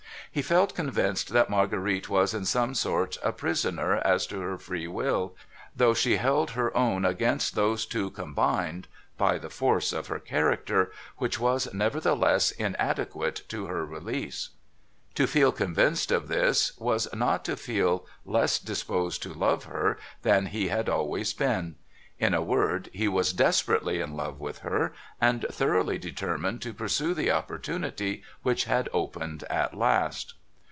He felt convinced that Marguerite was in some sort a prisoner as to her free will — though she held her own against those two combined, by the force of her character, which was nevertheless inadequate to her release. To feel convinced of this, was not to feel less disposed to love her than he had always been. In a word, he was desperately in love with her, and thoroughly determined to pursue the opportunity which had opened at last.